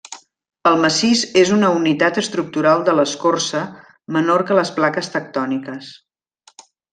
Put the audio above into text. El massís és una unitat estructural de l'escorça, menor que les plaques tectòniques.